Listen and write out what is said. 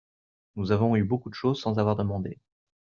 nous avons eu beaucoup de choses sans avoir demandé.